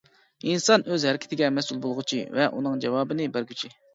ئىنسان ئۆز ھەرىكىتىگە مەسئۇل بولغۇچى ۋە ئۇنىڭ جاۋابىنى بەرگۈچى.